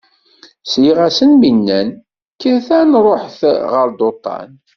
Sliɣ-asen mi nnan: Kkret aad nṛuḥet ɣer Duṭan.